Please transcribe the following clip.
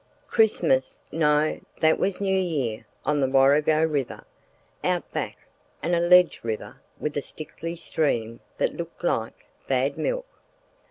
Christmas—no, that was New Year—on the Warrego River, out back (an alleged river with a sickly stream that looked like bad milk).